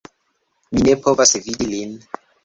Mi ne povas vidi lin